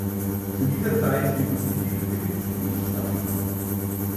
Zu dieser Zeit hielten sich viele Zivilisten in den Straßen auf.